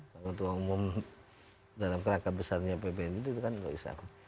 ketua umum dalam rangka besarnya pbnu itu kan ruisam